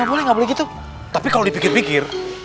ga boleh ga boleh ga boleh gitu tapi kalo dipikir pikir